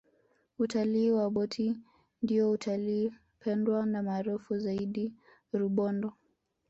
utalii wa boti ndiyo utalii pendwa na maarufu zaidi rubondo